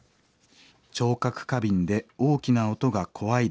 聴覚過敏で大きな音が怖いです。